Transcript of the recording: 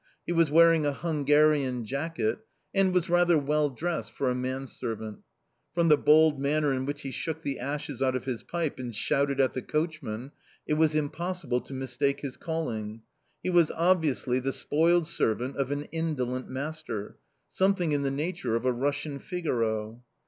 He was wearing a Hungarian jacket and was rather well dressed for a manservant. From the bold manner in which he shook the ashes out of his pipe and shouted at the coachman it was impossible to mistake his calling. He was obviously the spoiled servant of an indolent master something in the nature of a Russian Figaro.